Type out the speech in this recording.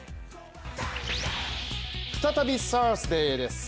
再びサーズデーです。